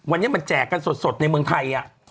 วันนี้มันแจกกันสดในเมืองไทย